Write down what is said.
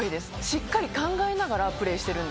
しっかり考えながらプレーしてるんですよ。